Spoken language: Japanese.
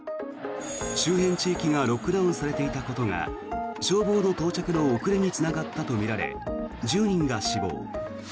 周辺地域がロックダウンされていたことが消防の到着の遅れにつながったとみられ１０人が死亡。